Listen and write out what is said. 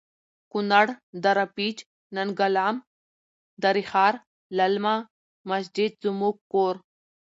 کنړ.دره پیج.ننګلام.دری ښار.للمه.مسجد زموړږ کور